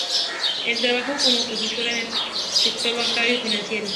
Ha trabajado como consultora en el sector bancario y financiero.